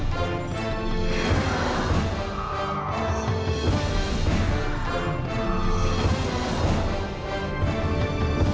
โปรดติดตามตอนต่อไป